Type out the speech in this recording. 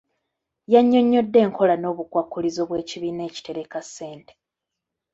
Yannyonnyodde enkola n'obukwakkulizo bw'ekibiina ekitereka ssente.